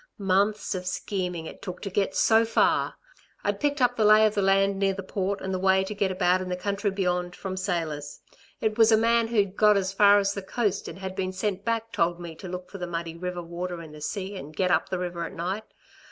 Months of scheming it took to get so far! I'd picked up the lay of the land near the Port and the way to get about in the country beyond, from sailors. It was a man who'd got as far as the coast and had been sent back told me to look for the muddy river water in the sea and get up the river at night.